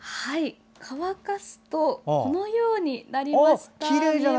乾かすとこのようになりました。